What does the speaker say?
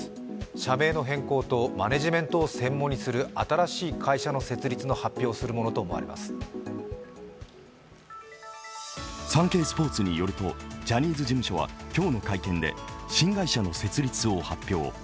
社名の変更とマネジメントを専門とする新しい会社の設立を発表するものと思われます「サンケイスポーツ」によるとジャニーズ事務所は今日の会見で新会社の設立を発表。